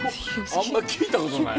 あんま聞いたことない。